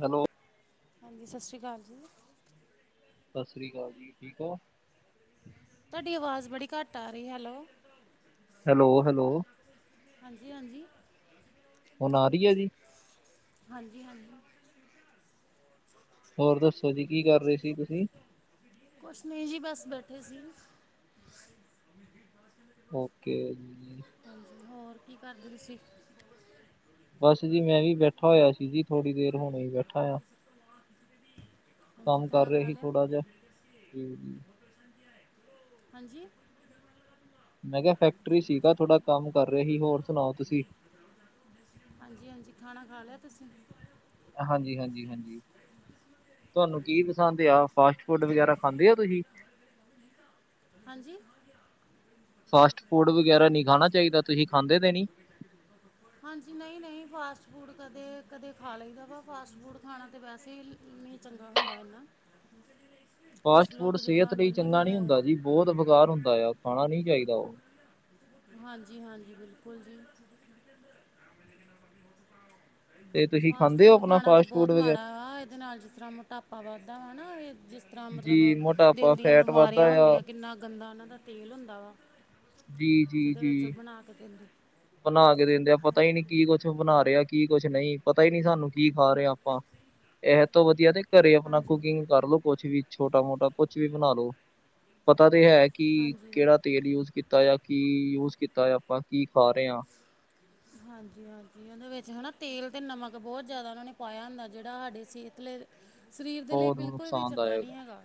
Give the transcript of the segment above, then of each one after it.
Hello. ਹਾਂਜੀ ਸਾਸ ਸ਼੍ਰੀ ਕਾਲ। ਸਤਿ ਸ੍ਰੀ ਅਕਾਲ ਜੀ ਠੀਕ ਹੋ? ਤੁਹਾਡੀ ਆਵਾਜ਼ ਬੜੀ ਘੱਟ ਆ ਰਹੀ ਹੈਲੋ ਹੈਲੋ, ਹੈਲੋ। ਹਾਂਜੀ, ਹਾਂਜੀ ਹੁਣ ਆ ਰਹੀ ਹੈ ਜੀ। ਹਾਂਜੀ, ਹਾਂਜੀ ਹੋਰ ਦੱਸੋ ਜੀ ਕੀ ਕਰ ਏ ਸੀ ਤੁਸੀਂ? ਕੁੱਛ ਨਹੀ ਜੀ ਬਸ ਬੈਠੇ ਸੀ। ਓਕੇ। ਹਾਂਜੀ ਹੋਰ ਕੀ ਕਰਦੇ ਤੁਸੀਂ? ਬਸ ਜੀ ਮੈਂ ਵੀ ਬੈਠਾ ਹੋਇਆ ਸੀ ਜੀ ਥੋੜੀ ਦੇਰ ਹੁਣੇ ਹੀ ਬੈਠਾ ਹੋਯਾ। ਹਾਂਜੀ ਕੰਮ ਕਰ ਖਾਣਾ ਰਹੇ ਖਾ ਸੀ ਲਿਆ ਥੋੜਾ ਜਿਹਾ। ਹਾਂਜੀ। ਮੈਂ ਕੇਹਾ ਫੈਕਟਰੀ ਸੀਗਾ ਥੋੜਾ ਕੰਮ ਕਰ ਰਿਹਾ ਸੀ ਹੋਰ ਸੁਨਾਔ ਤੁਸੀਂ? ਹਾਂਜੀ-ਹਾਂਜੀ ਖਾਣਾ ਖਾ ਲਿਆ ਤੁਸੀਂ। ਹਾਂਜੀ-ਹਾਂਜੀ-ਹਾਂਜੀ। ਤੁਆਨੂੰ ਕੀ ਪਸੰਦ ਆ ਫਾਸਟ ਫੂਡ ਵਗੈਰਾ ਹਾਂਜੀ ਖਾਂਦੇ ਔ ਤੁਸੀਂ? ਹਾਂਜੀ। ਫਾਸਟ ਫੂਡ ਵਗੈਰਾ ਨੀ ਖਾਨਾ ਚਾਈਦਾ ਤੁਹੀ ਖਾਂਦੇ ਤੇ ਨੀ ਹਾਂਜੀ, ਨਹੀਂ -ਨਹੀਂ ਫਾਸਟ ਫੂਡ ਕਦੇ ਕਦੇ ਖਾ ਲਈਦਾ ਵਾ ਫਾਸਟ ਫੂਡ ਖਾਣਾ ਤੇ ਵੈਸੇ ਹੀ ਚੰਗਾ ਹੁੰਦਾ ਇ ਨਾ ਫਾਸਟ ਫੂਡ ਸਿਹਤ ਲਈ ਚੰਗਾ ਨੀ ਹੁੰਦਾ, ਜੀ ਬਹੁਤ ਬੇਕਾਰ ਹੁੰਦਾ ਆ ਖਾਣਾ ਨੀ ਚਾਹੀਦਾ ਉਹ। ਹਾਂਜੀ, ਹਾਂਜੀ ਬਿਲਕੁਲ ਜੀ। ਤੇ ਤੁਸੀਂ ਫਾਸਟ ਖਾਂਦੇ ਹੋ ਫੂਡ ਆਪਣਾ ਖਾਣਾ ਤੇ ਫਾਸਟ ਬਹੁਤ ਫੂਡ ਵਗੈਰਾ ਮਾੜਾ ਵ ਇਹਦੇ ਨਾਲ ਜਿਸ ਤਰ੍ਹਾਂ ਟਾਪਾ ਵੱਧਦਾ ਵਾ ਨਾ, ਇਹ ਜਿਸ ਤਰ੍ਹਾਂ ਜੀ ਮਤਲਬ ਮੋਟਾਪਾ, ਦਿਲ ਦੀਆਂ ਫੈਟ ਵੱਧਦਾ ਬਿਮਾਰੀਆਂ ਆ, ਹੁੰਦੀਆਂ ਕਿੰਨਾ ਗੰਦਾ ਨਾ ਦਾ ਤੇਲ ਹੁੰਦਾ ਵਾ ਜਿਹਦੇ ਵਿੱਚ ਉਹ ਜੀ-ਜੀ-ਜੀ। ਬਣਾ ਕੇ ਦਿੰਦੇ ਬਣਾ ਕੇ ਦਿੰਦੇ ਆ ਪਤਾ ਹੀ ਨਹੀਂ ਕੀ ਕੁਛ ਬਣਾ ਰਿਹਾ ਕੀ ਕੁਛ ਨਹੀਂ ਪਤਾ ਹੀ ਨਹੀਂ ਸਾਨੂੰ ਕੀ ਖਾ ਰਹੇ ਆਪਾਂ ਇਹ ਤੋਂ ਵਧੀਆ ਨੇ ਘਰੇ ਆਪਣਾ ਹਾਂਜੀ ਕੁਕਿੰਗ ਕਰਲੋ ਕੁਛ ਵੀ ਛੋਟਾ ਮੋਟਾ ਕੁਛ ਵੀ ਬਣਾ ਲੋ ਪਤਾ ਤੇ ਹੈ। ਕੀ ਹਾਂਜੀ ਕਿਹੜਾ ਤੇਲ ਯੂਜ ਕੀਤਾ ਆ ਕੀ ਯੂਜ ਕੀਤਾ ਆ ਆਪਾਂ ਕੀ ਖਾ ਰਹੇ ਹਾਂ। [unintelligible] ਹਾਂਜੀ, ਹਾਂਜੀ ਉਹਦੇ ਵਿੱਚ ਹੈ ਨਾ ਤੇਲ ਅਤੇ ਨਮਕ ਬਹੁਤ ਜ਼ਿਆਦਾ ਉਹਨਾਂ ਨੇ ਪਾਇਆ ਹੁੰਦਾ ਜਿਹੜਾ ਸਾਡੀ ਸਿਹਤ ਲਈ ਸਰੀਰ ਦੇ ਲਈ ਬਹੁਤ ਬਿਲਕੁਲ ਵੀ ਚੰਗਾ ਨਹੀਂ ਹੈਗਾ।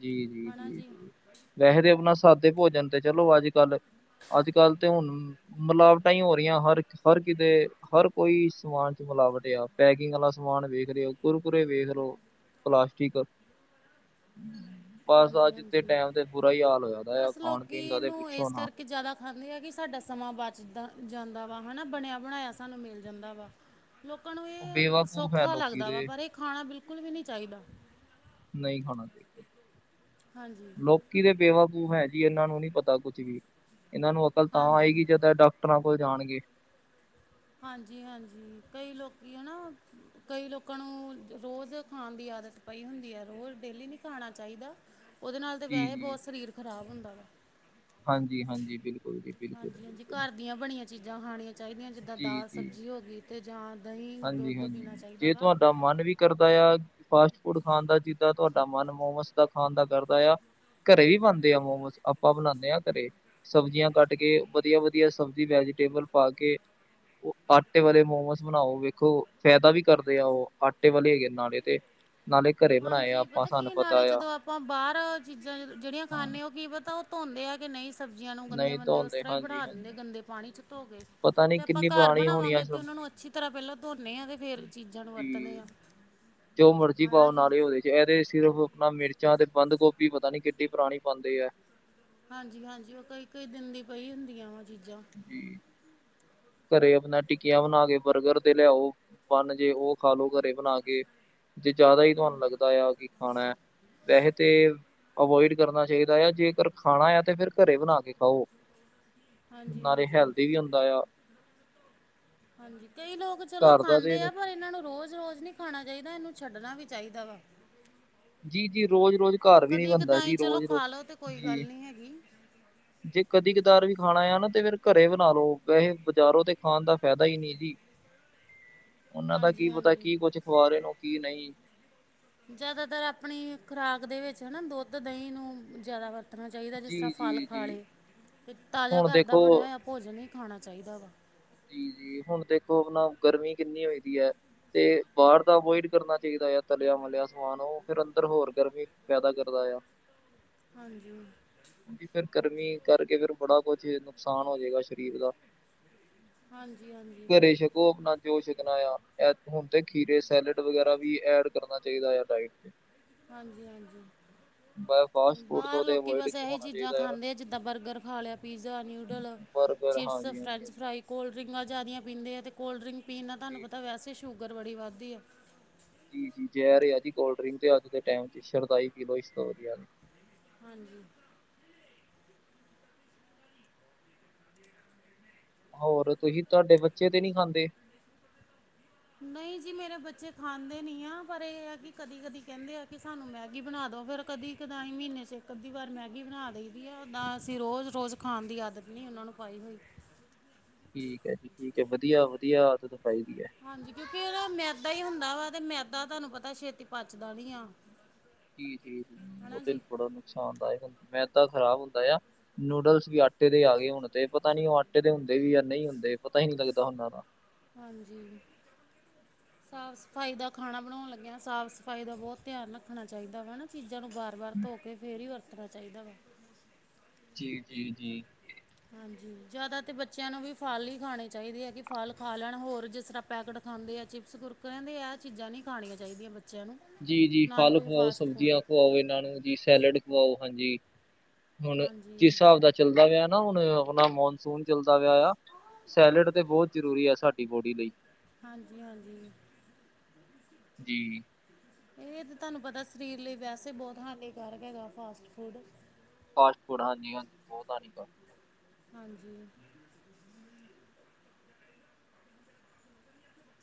ਜੀ ਜੀ ਜੀ ਜੀ ਵੈਸੇਦੇ ਆਪਣਾ ਸਾਦੇ ਭੋਜਨ ਤੇ ਚਲੋ ਅੱਜ ਕੱਲ ਅੱਜ ਕੱਲ੍ਹ ਤੇ ਹੁਣ ਮਿਲਾਵਟਾਂ ਹੀ ਹੋ ਰਹੀਆਂ ਹਰ ਹਰ ਕਿਤੇ ਹਰ ਕੋਈ ਸਮਾਨ ਚ ਮਿਲਾਵਟ ਆ। ਪੈਕਿੰਗ ਵਾਲਾ ਸਮਾਨ ਵੇਖ ਲਓ ਕੁਰਕੁਰੇ ਵੇਖ ਲਓ ਪਲਾਸਟਿਕ ਬਸ ਹਾਂਜੀ ਅੱਜ ਦੇ ਹਾਂਜੀ ਟੈਮ ਤੇ ਬੁਰਾ ਹੀ ਹਾਲ ਹੋਇਆ ਖਾਣ ਪੀਣ ਦਾ ਤੇ ਪੁੱਛੋ ਨਾ ਮਤਲਬ ਆ ਕਿ ਸਾਡਾ ਸਮਾਂ ਬਚਦਾ ਜਾਂਦਾ ਵਾ ਹਨਾ ਬਣਿਆ ਬਣਾਇਆ ਸਾਨੂੰ ਮਿਲ ਜਾਂਦਾ ਵਾ ਲੋਕਾਂ ਨੂੰ ਇਹ ਬੇਵਾਕੂਫ ਹੈ ਸੌਖਾ ਲੋਕੀ ਲੱਗਦਾ ਵਾ ਤੇ ਪਰ ਇਹ ਖਾਣਾ ਬਿਲਕੁਲ ਵੀ ਨਹੀਂ ਚਾਹੀਦਾ। ਨਹੀਂ ਖਾਣਾ ਚਾਹੀਦਾ ਹਾਂਜੀ ਲੋਕਾਂ। ਦੁਨੀਆ ਵੀ ਬੇਵਾਕੂਫ ਹੈ ਜੀ ਇਹਨਾਂ ਨੂੰ ਨੀ ਪਤਾ ਕੁੱਝ ਵੀ ਇਹਨਾਂ ਨੂੰ ਅਕਲ ਤਾਂ ਹਾਂਜੀ ਆਏਗੀ ਜਿੱਦਾਂ ਡਾ ਡਾਕਟਰਾਂ ਕੋਲ ਜਾਣਗੇ। ਹਾਂਜੀ, ਹਾਂਜੀ ਕਈ ਲੋਕੀ ਨਾ ਕਈ ਲੋਕਾਂ ਨੂੰ ਰੋਜ਼ ਖਾਣ ਦੀ ਆਦਤ ਪਈ ਹੁੰਦੀ ਹੈ। ਰੋਜ਼ ਡੇਲੀ ਨਹੀਂ ਖਾਣਾ ਚਾਹੀਦਾ। ਉਹਦੇ ਨਾਲ ਤਾਂ ਜੀ ਵੈਸੇ ਜੀ ਬਹੁਤ ਸਰੀਰ ਖਰਾਬ ਹੁੰਦਾ ਵਾ ਹਾਂਜੀ, ਹਾਂਜੀ ਬਿਲਕੁਲ ਜੀ ਬਿਲਕੁਲ ਹਾਂਜੀ, ਹਾਂਜੀ ਬਿਲਕੁਲ ਘਰ ਦੀਆਂ ਬਣੀਆਂ ਚੀਜ਼ਾਂ ਖਾਣੀਆਂ ਚਾਹੀਦੀਆਂ ਜਿੱਦਾਂ ਜੀ ਦਾਲ ਜੀ ਸਬਜ਼ੀ ਹੋ ਗਈ ਅਤੇ ਜਾਂ ਦਹੀਂ ਦੁੱਧ ਹਾਂਜੀ-ਹਾਂਜੀ, ਪੀਣਾ ਚਾਹੀਦਾ ਜੇ ਵਾ ਤੁਹਾਡਾ ਮਨ ਵੀ ਕਰਦਾ ਆ ਫਾਸਟ ਫੂਡ ਖਾਣ ਦਾ ਜਿੱਦਾਂ ਤੁਹਾਡਾ ਮਨ ਮੋਮਸ ਦਾ ਖਾਣ ਦਾ ਕਰਦਾ ਆ। ਘਰੇ ਵੀ ਬਣਦੇ ਆ ਮੋਮੋਸ ਆਪਾਂ ਬਣਾਉਂਦੇ ਹਾਂ ਘਰੇ। ਸਬਜ਼ੀਆਂ ਕੱਟ ਕੇ ਵਧੀਆ, ਵਧੀਆ ਸਬਜ਼ੀ ਵੈਜੀਟੇਬਲ ਪਾ ਕੇ। ਉਹ ਆਟੇ ਵਾਲੇ ਮੋਮੋਸ ਬਣਾਓ ਵੇਖੋ ਫਾਇਦਾ ਵੀ ਕਰਦੇ ਆ। ਉਹ ਆਟੇ ਵਾਲੇ ਹੈਗੇ ਨਾਲੇ ਤੇ ਨਾਲ਼ੇ ਹਾਂਜੀ, ਪਤਾ ਕੀ ਨਾਲੇ ਜਦੋਂ ਆਪਾਂ ਬਾਹਰ ਚੀਜ਼ਾਂ ਜਿਹੜੀਆਂ ਹਾਂ ਖਾਂਦੇ ਹੋ ਕੀ ਪਤਾ। ਧੋਂਦੇ ਆ ਕਿ ਨਹੀਂ ਸਬਜ਼ੀਆਂ ਨੂੰ ਗੰਦੇ ਨਹੀਂ ਬੰਦੇ ਉਸ ਧੋਂਦੇ ਤਰ੍ਹਾਂ ਹੀ ਬਣਾਾ ਦਿੰਦੇ ਹਾਂਜੀ-ਹਾਂਜੀ। ਗੰਦੇ ਪਾਣੀ ਵਿੱਚ। ਧੋ ਗ ਪਤਾ ਨੀ ਜੇ ਆਪਾਂ ਕਿੰਨੀ ਘਰ ਪੁਰਾਣੀ ਹੋਣੀ ਆ ਬਣਾਵਾਂਗੇ ਤੇ ਉਹਨਾਂ ਨੂੰ ਸਬਜ਼ੀ ਅੱਛੀ ਤਰ੍ਹਾਂ ਪਹਿਲਾਂ ਧੋਨੇ ਹਾਂ ਤੇ ਫੇਰ ਚੀਜ਼ਾਂ ਨੂੰ ਵਰਤਦੇ ਜੀ। ਹਾਂ ਜੋ ਮਰਜ਼ੀ ਹੈ ਨਾ ਪਾਓ ਜੀ ਨਾਲ। ਇਹਦੇ ਸਿਰਫ ਆਪਣਾ ਮਿਰਚਾਂ ਤੇ ਬੰਦ ਗੋਭੀ ਪਤਾ ਨੀ ਕਿੱਡੀ ਪੁਰਾਣੀ ਪਾਉਂਦੇ ਆ ਹਾਂਜੀ, ਹਾਂਜੀ ਉਹ ਕਈ ਕਈ ਦਿਨ ਦੀ ਪਈ ਹੁੰਦੀਆਂ ਵਾ ਚੀਜ਼ਾਂ ਜੀ, ਘਰੇ ਆਪਣਾ ਟਿੱਕੀਆਂ ਬਣਾ ਕੇ ਬਰਗਰ ਤੇ ਲਿਆਓ ਬਂਨ ਜੇ ਉਹ ਖਾਲੋ ਘਰੇ ਬਣਾ ਕੇ ਜੇ ਜ਼ਿਆਦਾ ਹੀ ਤੁਹਾਨੂੰ ਲੱਗਦਾ ਆ ਕਿ ਖਾਣਾ ਵੈਸੇ ਤੇ ਅਵੋਇਡ ਕਰਨਾ ਚਾਹੀਦਾ ਆ ਜੇਕਰ ਖਾਣਾ ਆ ਤੇ ਫਿਰ ਘਰੇ ਬਣਾ ਕੇ ਖਾਓ। ਹਾਂਜੀ ਨਾਲੇ ਹਾਂਜੀ ਹੈਲਦੀ ਵੀ ਹੁੰਦਾ ਆ। ਹਾਂਜੀ ਕਈ ਲੋਕ ਚਲੋ ਘਰ ਦਾ ਤੇ ਖਾਂਦੇ ਆ ਪਰ ਇਹਨਾਂ ਨੂੰ ਰੋਜ਼ ਰੋਜ਼ ਨੀ ਖਾਣਾ ਚਾਹੀਦਾ ਇਹਨੂੰ ਛੱਡਣਾ ਵੀ ਚਾਹੀਦਾ ਵਾ ਜੀ-ਜੀ, ਰੋਜ਼-ਰੋਜ਼ ਘਰ ਵੀ ਨੀ ਕਦੀ ਬਣਦਾ ਕਦਾਈ ਜੀ, ਚਲੋ ਰੋਜ਼-ਰੋਜ਼ ਖਾ ਲਓ ਤੇ ਕੋਈ ਜੀ, ਗੱਲ ਨਹੀਂ ਹੈਗੀ। ਜੇ ਕਦੀ ਕਦਾਰ ਵੀ ਖਾਣਾ ਆ ਨਾ ਤੇ ਫੇਿਰ ਘਰੇ ਬਣਾ ਲੋ ਵੈਸੇ ਬਾਜ਼ਾਰੋ ਤੇ ਖਾਣ ਦਾ ਫਾਇਦਾ ਹੀ ਨਹੀਂ ਜੀ। ਉਹਨਾਂ ਦਾ ਕੀ ਹਾਂਜੀ ਪਤਾ ਹਾਂਜੀ ਕੀ ਕੁਛ ਖੁਆ ਦੇਣ ਕੀ ਨਹੀਂ। ਜ਼ਿਆਦਾਤਰ ਆਪਣੀ ਖੁਰਾਕ ਦੇ ਵਿੱਚ ਹਨਾ ਦੁੱਧ ਦਹੀਂ ਨੂੰ ਜ਼ਿਆਦਾ ਵਰਤ, ਚਾਹੀਦਾ ਜਿਸ ਤਰ੍ਹਾਂ ਫਲ ਜੀ-ਜੀ, ਜੀ, ਖਾ ਜੀ। ਲਏ ਅਤੇ ਤਾਜ਼ਾ ਹੁਣ ਘਰ ਦਾ ਬਣਿਆ ਦੇਖੋ ਹੋਇਆ ਭੋਜਨ ਹੀ ਖਾਣਾ ਚਾਹੀਦਾ ਵਾ। ਜੀ, ਜੀ, ਹੁਣ ਦੇਖੋ ਆਪਣਾ ਗਰਮੀ ਕਿੰਨੀ ਹੋਈ ਦੀ ਹੈ। ਤੇ ਬਾਹਰ ਦਾ ਅਵੋਇਡ ਕਰਨਾ ਚਾਹੀਦਾ ਆ ਤਲਿਆ ਮਲਿਆ ਸਮਾਨ, ਉਹ ਫਿਰ ਅੰਦਰ ਹੋਰ ਗਰਮੀ ਪੈਦਾ ਕਰਦਾ ਆ। ਹਾਂਜੀ, ਫਿਰ ਗਰਮੀ ਕਰਕੇ ਫੇਰ ਬੜਾ ਕੁਝ ਨੁਕਸਾਨ ਹੋ ਜਾਏਗਾ ਸਰੀਰ ਦਾ। ਹਾਂਜੀ, ਹਾਂਜੀ ਘਰੇ ਛਕੋ ਆਪਣਾ। ਜੋ ਛਕਣਾ ਆ ਹੁਣ ਤੇ ਖੀਰੇ, ਸੈਲਡ, ਵਗੈਰਾ ਵੀ ਐਡ ਕਰਨਾ ਚਾਹੀਦਾ ਆ ਡਟ ਤੇ। ਹਾਂਜੀ, ਹਾਂਜੀ ਮੈਂ ਬਹੁਤ ਬਾਹਰ ਲੋਕੀ ਬਸ ਇਹੀ ਚੀਜ਼ਾਂ ਖਾਂਦੇ ਆ ਜਿੱਦਾਂ ਬਰਗਰ ਖਾ ਲਿਆ ਪੀਜ਼ਾ ਨਿਊਡਲ। ਬਰਗਰ ਚਿਪਸ, ਹਾਂਜੀ, ਹਾਂਜੀ, ਫਰੈਂਚ ਹਾਂਜੀ। ਫ੍ਰਾਈ। ਕੋਲਡ ਜ਼ਿਆਦੀਆਂ ਪੀਂਦੇ ਆ ਤੇ ਕੋਲਡ ਡਰਿੰਕ ਪੀਣ ਨਾਲ ਤੁਹਾਨੂੰ ਜੀ, ਪਤਾ ਵੈਸੇ ਸ਼ੂਗਰ ਬੜੀੱ ਵੱਧਦੀ ਹੈ। ਜਹਿਰ ਆ ਕੋਲਡ ਅਜ ਦੇ ਟਾਈਮ ਤੇ ਸ਼ਰਦਾਈ ਪੀ ਲੋ ਇਸ ਤੋਂ ਵਧੀਆ। ਹਾਂਜੀ ਤੇ ਹੋਰ ਤੁਸੀਂ ਤੁਹਾਡੇ ਬੱਚੇ ਤੇ ਨਹੀਂ ਖਾਂਦੇ, ਨਹੀਂ ਜੀ ਮੇਰੇ ਬੱਚੇ ਖਾਂਦੇ ਨੀ ਆ ਪਰ ਇਹ ਹੈ, ਕਿ ਕਦੀ ਕਦੀ ਕਹਿੰਦੇ ਆ, ਕਿ ਸਾਨੂੰ ਮੈਗੀ ਬਣਾ ਦੋ ਫਿਰ। ਕਦੀ ਕਦਾ ਹੀ ਮਹੀਨੇ ਚ ਇੱਕ ਅੱਧੀ ਵਾਰ ਮੈਗੀ ਬਣਾ ਦੇਦੀ ਆ ਉਓਦਾਂ ਅਸੀਂ ਰੋਜ਼ ਰੋਜ਼ ਖਾਣ ਦੀ ਆਦਤ ਨਹੀਂ ਉਹਨਾਂ ਨੂੰ। ਪਾਈ ਹੋਈ ਠੀਕ ਹੈ ਜੀ, ਠੀਕ ਹੈ ਵਧੀਆ, ਵਧੀਆ, ਆਦਤ ਪਾਈ ਦੀ ਹੈ। ਹਾਂਜੀ, ਕਿਉਂਕਿ ਉਹਹਦਾ ਮੈਦਾ ਹੀ ਹੁੰਦਾ ਵਾ ਤੇ ਮੈਦਾ ਤੁਹਾਨੂੰ ਪਤਾ ਛੇਤੀ ਪਚਦਾ ਨੀ ਆ। ਜੀ ਜੀ ਉਹ ਹਨਾ ਜੀ ਬੜਾ ਨੁਕਸਾਨ ਦਾਇਕ ਹੈ ਮੈਦਾ ਖਰਾਬ ਹੁੰਦਾ ਆ। ਨੂਡਲਸ ਵੀ ਆਟੇ ਦੇ ਆ ਗਏ, ਹੁਣ ਤੇ ਪਤਾ ਨੀ ਉਹ ਆਟੇ ਦੇ ਹੁੰਦੇ ਵੀ ਜਾਂ ਨਹੀਂ ਹੁੰਦੇ ਪਤਾ ਹੀ ਨਹੀਂ ਲੱਗਦਾ ਉਹਨਾਂ ਦਾ। ਹਾਂਜੀ ਸਾਫ਼ ਸਫ਼ਾਈ ਦਾ ਖਾਣਾ ਬਣਾਉਣ ਲੱਗਿਆ, ਸਾਫ਼ ਸਫ਼ਾਈ ਦਾ ਬਹੁਤ ਧਿਆਨ ਰੱਖਣਾ ਚਾਹੀਦਾ ਵੈ ਨਾ। ਚੀਜ਼ਾਂ ਨੂੰ ਵਾਰ ਵਾਰ ਧੋ ਕੇ ਫਿਰ ਹੀ ਵਰਤਣਾ ਚਾਹੀਦਾ ਵਾ। ਜੀ ਜੀ ਜੀ। ਹਾਂਜੀ ਜ਼ਿਆਦਾ ਤਾਂ ਬੱਚਿਆਂ ਨੂੰ ਵੀ ਫਲ ਹੀ ਖਾਣੇ ਚਾਹੀਦੇ ਹੈ ਕਿ ਫਲ ਖਾ ਲੈਣ ਹੋਰ ਜਿਸ ਤਰ੍ਹਾਂ? ਪੈਕਟ ਖਾਂਦੇ ਆ ਚਿਪਸ ਕੁਰਕਰ ਕਹਿੰਦੇ ਇਹ ਚੀਜ਼ਾਂ ਨਹੀਂ ਖਾਣੀਆਂ ਚਾਹੀਦੀਆਂ ਬੱਚਿਆਂ ਨੂੰ। ਜੀ ਜੀ ਨਾ ਹੀ ਫਲ ਕੋਈ ਖਵਾਓ ਫਾਸਟ ਫੂਡ ਸਬਜ਼ੀਆਂ ਖਵਾਓ ਇਹਨਾਂ ਨੂੰ ਜੀ ਸੈਲਡ ਖਵਾਓ ਹਾਂਜੀ। ਹੁਣ ਹਾਂਜੀ ਜਿਸ ਹਿਸਾਬ ਦਾ ਚੱਲਦਾ ਪਿਆ ਨਾ ਹੁਣ ਆਪਣਾ ਮੌਨਸੂਨ? ਚੱਲਦਾ ਪਿਆ ਆ ਸੈਲਡ ਤੇ ਬਹੁਤ ਜ਼ਰੂਰੀ ਹੈ ਸਾਡੀ ਬੋਡੀ ਲਈ। ਹਾਂਜੀ, ਹਾਂਜੀ ਜੀ, ਇਹ ਤੇ ਤੁਹਾਨੂੰ ਪਤਾ ਸਰੀਰ ਲਈ ਵੈਸੇ ਬਹੁਤ ਹਾਨੀਕਾਰਕ ਹੈਗਾ ਫਾਸਟ ਫੂਡ। ਫਾਸਟ ਫੂਡ ਹਾਂਜੀ ਹਾਂਜੀ ਹਾਂਜੀ,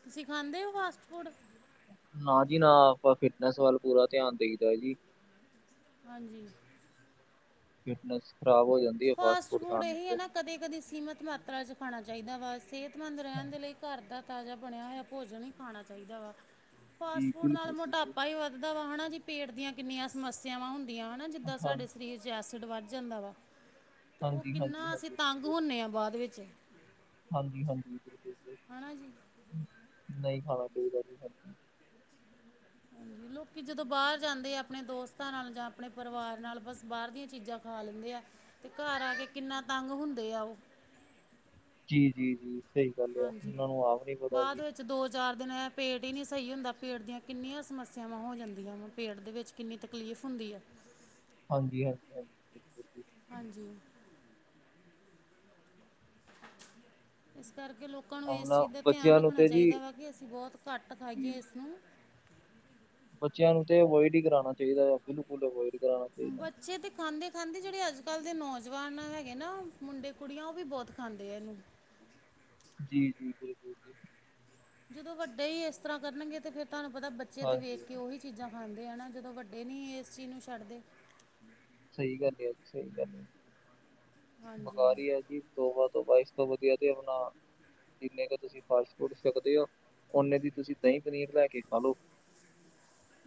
ਤੁਸੀਂ ਖਾਂਦੇ ਹੋ, ਫਾਸਟ ਫੂਡ ਨਾ ਜੀ ਨਾ ਆਪਾਂ ਫਿਟਨੈਸ ਵੱਲ ਪੂਰਾ ਧਿਆਨ ਦੇਈਦਾ ਜੀ। ਹਾਂਜੀ ਫਿਟਨੈਸ ਖ਼ਰਾਬ ਹੋ ਜਾਂਦੀ। ਹੈ ਫਾਸਟ ਫੂਡ ਖਾਣ ਇਹਹੀ ਹੈ, ਉੱਤੇ। ਨਾ ਕਦੇ ਕਦੇ ਸੀਮਿਤ ਮਾਤਰਾ ਵਿੱਚ ਖਾਣਾ ਚਾਹੀਦਾ ਵਾ ਸਿਹਤ ਸਿਹਤ ਮੰਦ ਰਹਿਣ ਦੇ ਲਈ ਘਰ ਦਾ ਤਾਜ਼ਾ ਬਣਿਆ ਹੋਇਆ। ਭੋਜਨ ਹੀ ਖਾਣਾ ਚਾਹੀਦਾ ਵਾ। ਫਾਸਟ ਹਾਂਜੀ ਫੂਡ ਨਾਲ ਬਿਲਕੁਲ ਬਿਲਕੁਲ। ਮੋਟਾਪਾ ਹੀ ਵੱਧਦਾ ਵਾ ਹੈ ਨਾ ਜੀ ਪੇਟ ਦੀਆਂ ਕਿੰਨੀਆਂ ਸਮੱਸਿਆਵਾਂ ਹੁੰਦੀਆਂ। ਨਾ ਜਿੱਦਾਂ ਹਾਂ ਸਾਡੇ ਸਰੀਰ ਵਿੱਚ ਐਸਿਡ ਵੱਧ ਜਾਂਦਾ ਵਾ। ਅਤੇ ਉਹ ਹਾਂਜੀ ਹਾਂਜੀ ਕਿੰਨਾ ਅਸੀਂ ਹਾਂਜੀ ਤੰਗ ਬਿਲਕੁਲ ਹੁੰਦੇ ਹਾਂ ਬਾਅਦ ਵਿੱਚ। ਹਾਂਜੀ ਹਾਂਜੀ ਬਿਲਕੁਲ ਹਨਾ ਜੀ ਨਹੀਂ ਖਾਣਾ ਚਾਹੀਦਾ ਜੀ ਹਾਂਜੀ। ਹਾਂਜੀ। ਲੋਕੀ ਜਦੋਂ ਬਾਹਰ ਜਾਂਦੇ ਆ ਆਪਣੇ ਦੋਸਤਾਂ ਨਾਲ ਜਾਂ ਆਪਣੇ ਪਰਿਵਾਰ ਨਾਲ ਬਸ ਬਾਹਰ ਦੀਆਂ ਚੀਜ਼ਾਂ ਖਾ ਲੈਂਦੇ ਆ। ਅਤੇ ਘਰ ਆ ਕੇ ਕਿੰਨਾ ਤੰਗ ਹੁੰਦੇ ਆ ਉਹ। ਜੀ ਜੀ ਜੀ ਸਹੀ ਗੱਲ ਆ ਸਾਨੂੰ ਨੂੰ ਆਪ ਨੀ ਪਤਾ ਜੀ। ਤੇ ਦੋ ਚਾਰ ਦਿਨ ਪੇਟ ਹੀ ਨਹੀਂ ਸਹੀ ਹੁੰਦਾ ਪੇਟ ਦੀਆਂ ਕਿੰਨੀਆਂ ਸਮੱਸਿਆਵਾਂ ਹੋ ਜਾਂਦੀਆਂ ਵਾ ਪੇਟ ਦੇ ਵਿੱਚ। ਕਿੰਨੀ ਤਕਲੀਫ਼ ਹੁੰਦੀ ਹੈ। ਹਾਂਜੀ ਹਾਂਜੀ ਹਾਂਜੀ। ਠੀਕ ਹੈ ਜੀ ਠੀਕ। ਹਾਂਜੀ। ਇਸ ਕਰਕੇ ਲੋਕ? ਲੋਕਾਂ ਨੂੰ ਇਸ ਆਪਣਾ ਚੀਜ਼ ਦਾ ਧਿਆਨ ਬੱਚਿਆਂ ਨੂੰ ਰੱਖਣਾ ਤੇ ਜੀ ਚਾਹੀਦਾ ਵਾ ਕਿ ਅਸੀਂ ਬਹੁਤ ਘੱਟ ਜੀ, ਖਾਈਏ ਇਸ ਨੂੰ। ਬੱਚਿਆਂ ਨੂੰ ਤੇ ਅਵੋਇਡ ਹੀ ਕਰਾਉਣਾ ਚਾਹੀਦਾ ਹੈ। ਬੱਚੇ ਦੇ? ਖਾਂਦੇ ਖਾਂਦੇ, ਜਿਹੜੇ ਅੱਜ ਕੱਲ ਦੇ ਨੌਜਵਾਨ ਹੈਗੇ ਨਾ ਮੁੰਡੇ ਕੁੜੀਆਂ ਉਹ ਵੀ ਬਹੁਤ ਖਾਂਦੇ ਆ ਇਹਨੂੰ। ਜੀ ਜੀ ਬਿਲਕੁਲ ਜੀ। ਜਦੋਂ ਵੱਡੇ ਹੀ ਇਸ ਤਰ੍ਹਾਂ ਕਰਨਗੇ ਤੇ ਫੇਿਰ ਤੁਹਾਨੂੰ ਪਤਾ ਬੱਚੇ ਤੇ ਵੇਖ ਹਾਂਜੀ ਕੇ ਉਹੀ ਚੀਜ਼ਾ ਖਾਂਦੇ ਹਨਾ, ਜਦੋਂ ਵੱਡੇ ਨੀ ਇਸ ਚੀਜ਼ ਨੂੰ ਛੱਡਦੇ। ਸਹੀ ਗੱਲ ਅੀ, ਸਹੀ ਗੱਲ ਹਾਂਜੀ। ਬੇਕਾਰ ਇਹ ਤੋਬਾ ਤੋਬਾ, ਇਸ ਤੋਂ ਵਧੀਆ ਤੇ ਆਪਣਾ ਜਿੰਨੇ ਕੁ ਤੁਸੀਂ ਫਾਸਟ ਫੂਡ ਛਕਦੇ ਹੋ, ਓਨੇ ਦੀ ਤੁਸੀਂ ਦਹੀਂ ਪਨੀਰ ਲੈ ਕੇ ਖਾ ਲੋ।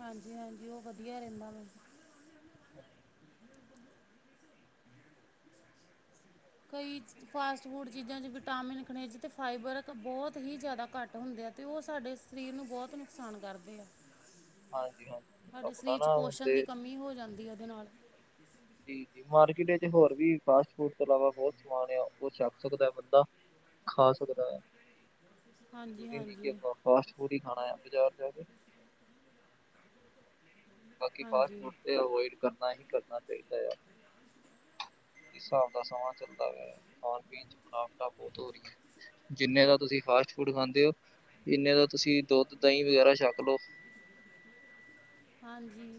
ਹਾਂਜੀ ਹਾਂਜੀ, ਉਹ ਵਧੀਆ ਰਹਿੰਦਾ ਵੈ [inaudible] ਕਈ ਫਾਸਟ ਫੂਡ ਚੀਜ਼ਾਂ 'ਚ ਵਿਟਾਮਿਨ, ਖਨੇਜ ਅਤੇ ਫਾਈਬਰ ਕ ਬਹੁਤ ਹੀ ਜ਼ਿਆਦਾ ਘੱਟ ਹੁੰਦੇ ਆ। ਅਤੇ ਉਹ ਸਾਡੇ ਸਰੀਰ ਨੂੰ ਬਹੁਤ ਨੁਕਸਾਨ ਕਰਦੇ ਆ। ਹਾਂਜੀ ਹਾਂਜੀ ਸਾਡੇ ਆਪਣਾ ਸਰੀਰ ਚ ਨਾ ਹੁਣ ਪੋਸ਼ਣ ਤੇ ਦੀ ਕਮੀ ਹੋ ਜਾਂਦੀ ਉਹਦੇ ਨਾਲ। ਜ ਮਾਰਕੀਟ ਵਿੱਚ ਹੋਰ ਵੀ ਫਾਸਟ ਫੂਡ ਤੋਂ ਇਲਾਵਾ ਬਹੁਤ ਸਮਾਨ ਆ ਉਹ ਛੱਕ ਸਕਦਾ ਹੈ ਬੰਦਾ। ਖਾ ਸਕਦਾ ਹੈ ਹਾਂਜੀ ਜ਼ਰੂਰੀ ਨਹੀਂ ਕਿ ਹਾਂਜੀ ਫਾਸਟ ਫੂਡ ਖਾਣਾ ਆ ਬਾਜ਼ਾਰ ਜਾ ਕੇ ਬਾਕੀ ਫਾਸਟ ਹਾਂਜੀ ਫੂਡ ਤੇ ਅਵੋਇਡ ਕਰਨਾ ਹੀ ਕਰਨਾ ਚਾਹੀਦਾ ਆ ਜਿਸ ਹਿਸਾਬ ਦਾ ਸਮਾਂ ਚੱਲਦਾ ਪਿਆ, ਖਾਣ ਪੀਣ ਚ ਮਿਨਾਵਟਾਂ ਬਹੁਤ ਹੋ ਰਹੀਆਂ ਜਿੰਨੇ ਦਾ ਤੁਸੀਂ ਫਾਸਟ ਫੂਡ ਖਾਂਦੇ ਹੋ, ਇਨੇ ਦਾ ਤੁਸੀਂ ਦੁੱਧ ਦਹੀਂ ਵਗੈਰਾ ਛੱਕ ਲਓ ਹਾਂਜੀ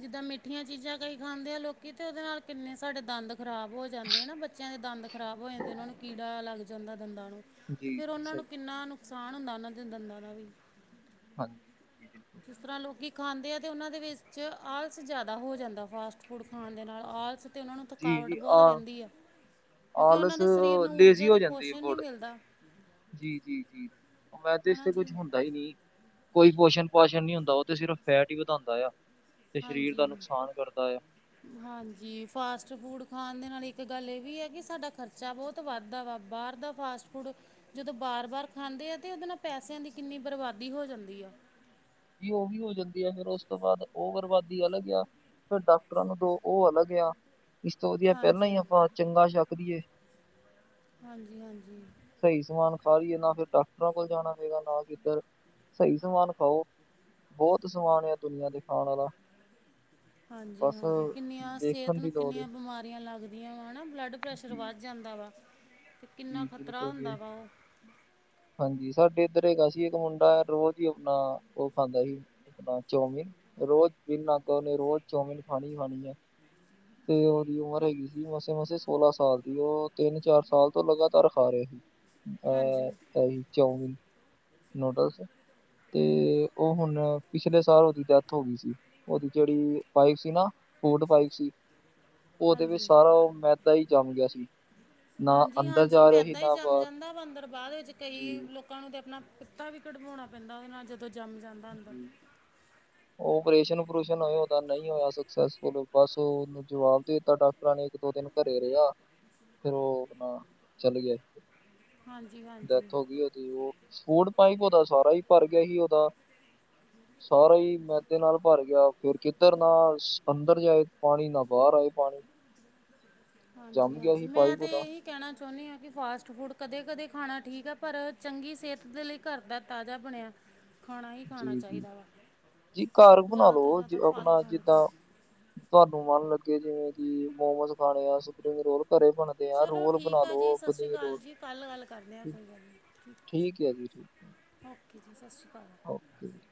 ਜਿੱਦਾਂ ਮਿੱਠੀਆਂ ਚੀਜ਼ਾਂ ਕਹੀ ਖਾਂਦੇ ਆ ਲੋਕੀ, ਤੇ ਉਹਦੇ ਨਾਲ ਕਿੰਨੇ ਸਾਡੇ ਦੰਦ ਖ਼ਰਾਬ ਹੋ ਜਾਂਦੇ ਆ ਨਾ ਬੱਚਿਆਂ ਦੇ ਦੰਦ ਖ਼ਰਾਬ ਹੋ ਜਾਂਦੇ ਉਹਨਾਂ ਨੂੰ ਕੀੜਾ ਲੱਗ ਜਾਂਦਾ ਦੰਦਾਂ ਨੂੰ ਤੇ ਜੀ ਫੇਿਰ ਜੀ ਉਹਨਾਂ ਨੂੰ ਸਹੀ ਕਿੰਨਾ ਨੁਕਸਾਨ ਹੁੰਦਾ ਉਹਨਾਂ ਦੇ ਦੰਦਾਂ ਦਾ ਵੀ ਹਾਂਜੀ ਹਾਂਜੀ ਬਿਲਕੁਲ। ਜਿਸ ਤਰ੍ਹਾਂ ਲੋਕ ਖਾਂਦੇ ਆ ਅਤੇ ਉਹਨਾਂ ਦੇ ਵਿੱਚ ਆਲਸ ਜ਼ਿਆਦਾ ਹੋ ਜਾਂਦਾ ਫਾਸਟ ਫੂਡ ਖਾਣ ਦੇ ਨਾਲ ਆਲਸ ਤੇ ਉਹਨਾਂ ਨੂੰ ਜੀ ਥਕਾਵਟ ਜੀ ਬਹੁਤ ਆ ਰਹਿੰਦੀ ਹੈ। ਕਿਉਂਕਿ ਆਲਸ ਉਹਨਾਂ ਦੇ ਸਰੀਰ ਨੂੰ ਊਰਜਾ ਲੇਜ਼ੀ ਅਤੇ ਹੋ ਜਾਂਦੀ ਹੈ ਪੋਸ਼ਣ ਨਹੀਂ ਬੋਡੀ ਮਿਲਦਾ। ਜੀ ਜੀ ਜੀ, ਉਹ ਮੈਂ ਤੇ ਇਸ ਹਨਾ ਤੇ ਕੁੱਝ ਜੀ ਹੁੰਦਾ ਹੁੰਦਾ ਹੀ ਨਹੀਂ ਕੋਈ ਪੋਸ਼ਣ ਪਾਸ਼ਣ ਨੀ ਹੁੰਦਾ, ਉਹ ਤੇ ਸਿਰਫ ਫੈਟ ਹੀ ਵਧਾਉਂਦਾ ਆ। ਤੇ ਸਰੀਰ ਦਾ ਹਾਂਜੀ ਨੁਕਸਾਨ ਕਰਦਾ ਆ। ਹਾਂਜੀ, ਫਾਸਟ ਫੂਡ ਖਾਣ ਦੇ ਨਾਲ ਇੱਕ ਗੱਲ ਇਹ ਵੀ ਹੈ ਕਿ ਸਾਡਾ ਖਰਚਾ ਬਹੁਤ ਹੁਤ ਵੱਧਦਾ ਵਾ ਬਾਹਰ ਦਾ ਫਾਸਟ ਫੂਡ, ਜਦੋਂ ਬਾਰ ਬਾਰ ਖਾਂਦੇ ਆ ਤੇ ਉਹਦੇ ਨਾਲ ਪੈਸਿਆਂ ਦੀ ਕਿੰਨੀ ਬਰਬਾਦੀ ਹੋ ਜਾਂਦੀ ਆ। ਵੀ ਉਹ ਵੀ ਹੋ ਜਾਂਦੀ ਆ ਫੇਿਰ ਉਸ ਤੋਂ ਬਾਅਦ ਉਹ ਬਰਬਾਦੀ ਅਲੱਗ ਆ। ਫਿਰ ਡਾਕਟਰਾਂ ਨੂੰ ਦੋ ਉਹ ਅਲੱਗ ਆ, ਇਸ ਤੋਂ ਵਧੀਆ ਪਹਿਲਾਂ ਹਾਂਜੀ ਹੀ ਆਪਾਂ ਚੰਗਾ ਛੱਕਦੀਏ। ਹਾਂਜੀ ਹਾਂਜੀ। ਸਹੀ ਸਮਾਨ ਖਾ ਲਈਏ ਨਾ ਫਿਰ ਡਾਕਟਰਾਂ ਕੋਲ ਜਾਣਾ ਹੈਗਾ ਨਾ ਕਿੱਧਰ, ਸਹੀ ਸਮਾਨ ਖਾਓ। ਬਹੁਤ ਸਮਾਨ ਆ ਦੁਨੀਆਂ ਤੇ ਖਾਣ ਵਾਲਾ। ਬਸ ਹਾਂਜੀ-ਹਾਂਜੀ, ਕਿੰਨੀਆਂ ਸਿਹਤ ਦੇਖਣ ਨੂੰ ਦੀ ਲੋੜ ਹੈ ਕਿੰਨੀਆਂ ਬਿਮਾਰੀਆਂ ਲੱਗਦੀਆਂ ਵ ਹੈ ਨਾ ਬਲੱਡ ਪ੍ਰੈਸ਼ਰ ਜੀ ਵੱਧ ਜਾਂਦਾ ਵਾ ਅਤੇ ਕਿੰਨਾ ਜੀ ਖਤਰਾ ਬਿਲਕੁਲ ਜੀ ਹੁੰਦਾ ਵਾ ਉਹ ਹਾਂਜੀ, ਸਾਡੇ ਇੱਧਰ ਹੈਗਾ ਸੀ ਇੱਕ ਮੁੰਡਾ ਰੋਜ਼ ਹੀ ਆਪਣਾ ਉਹ ਖਾਂਦਾ ਸੀ ਚੌਮਿਨ, ਰੋਜ਼ ਬਿਨ ਨਾਗਾ ਔਨੇ ਰੋਜ਼ ਚੌਮਿਨ ਖਾਣੀ-ਖਾਣੀ ਹੈ ਤੇ ਉਹਦੀ ਉਮਰ ਹੈਗੀ ਸੀ ਮਸੇ-ਮਸੇ ਸੋਲਾਂ ਸਾਲ ਦੀ, ਉਹ ਤਿੰਨ ਚਾਰ ਸਾਲ ਤੋਂ ਲਗਾਤਾਰ ਖਾ ਰਹੇ ਹਾਂਜੀ ਅਹ ਚਾਉਮਿਨ ਨੂਡਲਸ ਤੇ ਉਹ ਹੁਣ ਪਿਛਲੇ ਸਾਲ ਉਹਦੀ ਡੈਥ ਹੋ ਗਈ ਸੀ ਉਹਦੀ ਜਿਹੜੀ ਪਾਈਪ ਸੀ ਨਾ ਫੂਡ ਪਾਈਪ ਸੀ ਉਹਦੇ ਵਿੱਚ ਹਾਂਜੀ ਸਾਰਾ ਉਹ ਮੈਦਾ ਹੀ ਜੰਮ ਗਿਆ ਸੀ ਨਾ ਅੰਦਰ ਹਾਂਜੀ-ਹਾਂਜੀ ਜਾ ਰਿਹਾ ਸੀ ਮੈਦਾਂ ਹੀ ਨਾ ਜੰਮ ਬਾਹਰ ਜਾਂਦਾ ਬ ਅਂਦਰ ਬਾਅਦ ਵਿੱਚ ਕਈ ਜੀ ਲੋਕ ਲੋਕਾਂ ਨੂੰ ਤਾਂ ਆਪਣਾ ਪਿੱਤਾ ਵੀ ਕਢਵਾਉਣਾ ਪੈਂਦਾ ਉਹਦੇ ਨਾਲ ਜਦੋਂ ਜੰਮ ਜਾਂਦਾ ਅੰਦਰ ਜੀ ਓਪਰੇਸ਼ਨ ਉੂਪਰੁਸ਼ਨ ਹੋਏ ਉਹਦਾ ਨਹੀਂ ਹੋਇਆ ਸਕਸੈਸਫੁੱਲ ਬਸ ਜਵਾਬ ਦੇ ਦਿੱਤਾ ਡਾਕਟਰਾਂ ਨੇ, ਇੱਕ ਦੋ ਦਿਨ ਘਰੇ ਰਿਹਾ। ਫਿਰ ਉਹ, ਆਪਣਾ, ਚੱਲ ਗਿਆ, ਹਾਂਜੀ ਹਾਂਜੀ ਡੈਥ ਹੋ ਗਈ ਉਹਦੀ ਉਹ। ਫੂਡ ਪਾਈਪ ਉਹਦਾ ਸਾਰਾ ਹੀ ਭਰ ਗਿਆ ਈ ਉਹਦਾ। ਸਾਰਾ ਹੀ ਮੈਦੇ ਨਾਲ ਭਰ ਗਿਆ, ਫਿਰ ਕਿੱਧਰ ਨਾ ਅੰਦਰ ਜਾਏ ਪਾਣੀ ਨਾ ਬਾਹਰ ਆਏ ਪਾਣੀ। ਜੰਮ ਗਿਆ ਹਾਂਜੀ-ਹਾਂਜੀ, ਸੀ ਮੈਂ ਪਾਈਪ ਤੇ ਉਹਦਾ ਏਹੀ। ਕਹਿਣਾ ਚਾਹੁੰਦੀ ਆ ਕਿ ਫਾਸਟ ਫੂਡ ਕਦੇ-ਕਦੇ ਖਾਣਾ ਠੀਕ ਹੈ ਪਰ ਚੰਗੀ ਸਿਹਤ ਦੇ ਲਈ ਘਰ ਦਾ ਤਾਜ਼ਾ ਬਣਿਆ। [inaudible] ਖਾਣਾ ਜੀ, ਜੀ, ਚਾਹੀਦਾ ਵਾ ਜੀ ਘਰ ਬਣਾ ਜ਼ਿਆਦਾ ਤੋਂ ਲੋ ਜ ਜ਼ਿਆਦਾ ਫਲ ਆਪਣਾ ਖਾਣੇ ਜਿੱਦਾਂ। ਚਾਹੀਦੇ ਤੁਹਾਨੂੰ ਮਨ ਲੱਗੇ, ਜਿਵੇਂ ਕਿ, ਮੋਮੋਸ ਖਾਣੇ ਆ ਸਪਰਿੰਗ ਰੋਲ ਘਰੇ ਬਣ। ਚਲੋ ਠੀਕ ਹੈ ਜੀ, ਸਤਿ ਸ਼੍ਰੀ ਅਕਾਲ ਜੀ, ਕੱਲ ਗੱਲ ਕਰਨੇ ਆ, [unintelligible] ਠੀਕ ਗੱਲ। ਠੀਕ ਹੈ ਜੀ ਠੀਕ ਹੈ ਓਕੇ ਜੀ, ਸਤਿ ਸ਼੍ਰੀ ਅਕਾਲ ਓਕੇ [unintelligible]